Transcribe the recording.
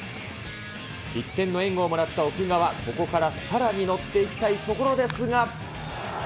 １点の援護をもらった奥川、ここからさらにのっていきたいところですが。